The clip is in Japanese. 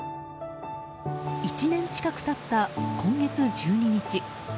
１年近く経った今月１２日